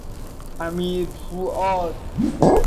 امیرفؤاد